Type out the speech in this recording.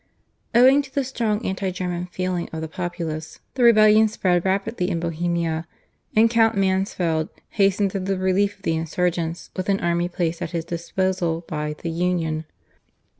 Owing to the strong anti German feeling of the populace the rebellion spread rapidly in Bohemia, and Count Mansfeld hastened to the relief of the insurgents with an army placed at his disposal by the /Union